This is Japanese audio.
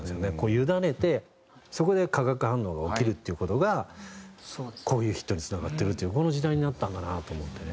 委ねてそこで化学反応が起きるっていう事がこういうヒットにつながってるというこの時代になったんだなと思ってね。